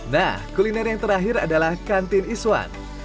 nah kuliner yang terakhir adalah kantin iswan